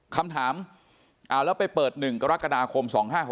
คำถามแล้วไปเปิด๑กรกฎาคม๒๕๖๖